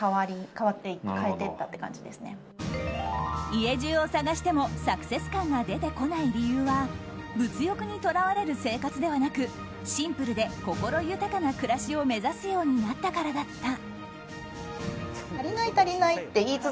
家中を探してもサクセス感が出てこない理由は物欲にとらわれる生活ではなくシンプルで心豊かな暮らしを目指すようになったからだった。